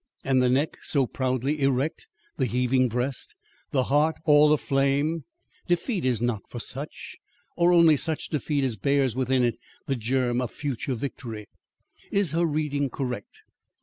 And the neck so proudly erect! the heaving breast! the heart all aflame! Defeat is not for such; or only such defeat as bears within it the germ of future victory. Is her reading correct?